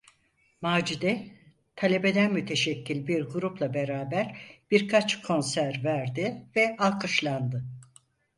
Macide, talebeden müteşekkil bir grupla beraber birkaç konser verdi ve alkışlandı.